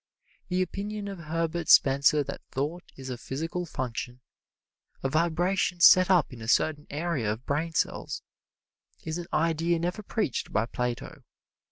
The opinion of Herbert Spencer that thought is a physical function a vibration set up in a certain area of brain cells is an idea never preached by Plato.